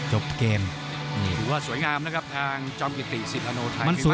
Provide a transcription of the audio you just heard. โหโหโหโห